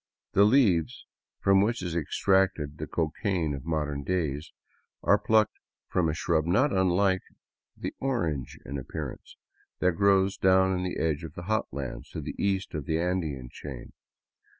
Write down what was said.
The leaves — from which is extracted the cocaine of modern days — are plucked from a shrub not unlike the orange in appearance, that grows down in the edge of the hot lands to the east of the Andean chain.